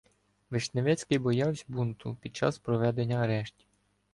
Вишневецький боявся бунту під час проведення арештів.